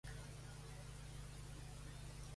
It was as plain as day.